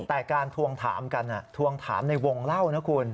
แต่การทวงถามกันทวงถามในวงเล่านะคุณ